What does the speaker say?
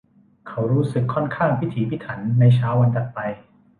เขารู้สึกค่อนข้างพิถีพิถันในเช้าวันถัดไป